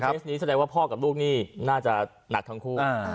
นี้แสดงว่าพ่อกับลูกนี่น่าจะหนักทั้งคู่